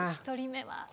１人目は？